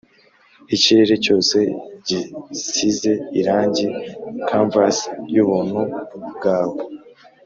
ikirere cyose gisize irangi, canvas yubuntu bwawe